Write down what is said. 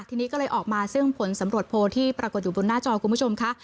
ทีนี้ก็เลยออกมาซึ่งผลสำรวจโพลที่ปรากฏอยู่บนหน้าจอคุณผู้ชมค่ะ